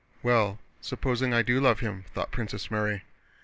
"Well, supposing I do love him?" thought Princess Mary.